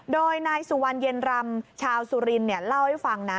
โดยนายสุวรรณเย็นรำชาวสุรินทร์เล่าให้ฟังนะ